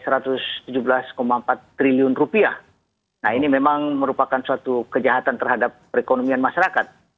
rp satu ratus tujuh belas empat triliun nah ini memang merupakan suatu kejahatan terhadap perekonomian masyarakat